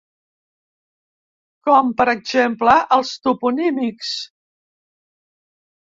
Com per exemple els toponímics.